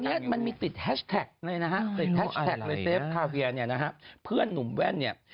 จนวันนี้มันมีติดแฮชแท็กเลยนะฮะเพื่อนหนุ่มแว่นเนี่ย